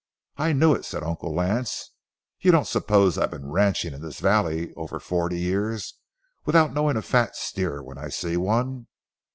"I knew it," said Uncle Lance; "you don't suppose I've been ranching in this valley over forty years without knowing a fat steer when I see one.